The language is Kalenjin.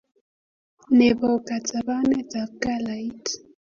Nebo katabanetab kalait